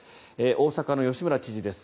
大阪の吉村知事です。